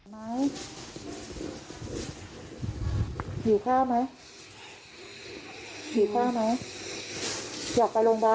นี่คุณป้า